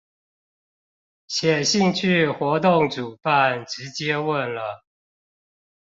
寫信去活動主辦直接問了